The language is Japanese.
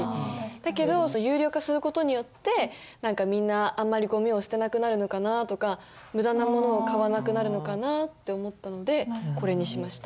だけど有料化する事によって何かみんなあんまりゴミを捨てなくなるのかなとか無駄なものを買わなくなるのかなって思ったのでこれにしました。